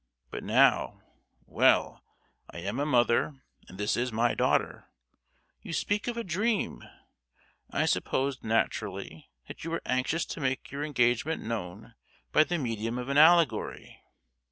But now—well, I am a mother, and this is my daughter. You speak of a dream. I supposed, naturally, that you were anxious to make your engagement known by the medium of an allegory.